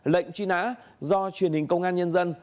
lệnh truy nã do truyền hình công an nhân dân